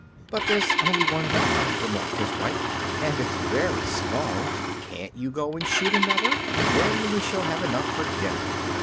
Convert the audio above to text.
"But there's only one duck," remarked his wife, "and it's very small. Can't you go and shoot another? Then we shall have enough for dinner."